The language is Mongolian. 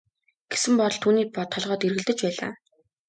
гэсэн бодол түүний толгойд эргэлдэж байлаа.